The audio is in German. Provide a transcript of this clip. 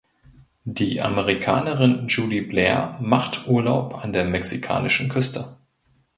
Die Amerikanerin Julie Blair macht Urlaub an der mexikanischen Küste.